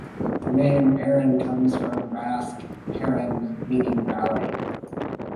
The name Aran comes from Basque "haran", meaning valley.